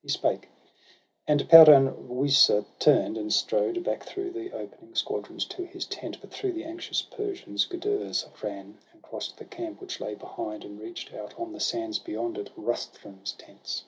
He spake; and Peran Wisa turn'd, and strode Back through the opening squadrons to his tent. But through the anxious Persians Gudurz ran. And cross'd the camp which lay behind, and reach' d, Out on the sands beyond it, Rustum's tents.